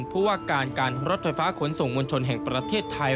ผู้ว่าการการรถไฟฟ้าขนส่งมวลชนแห่งประเทศไทย